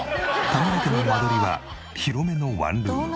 田村家の間取りは広めのワンルーム。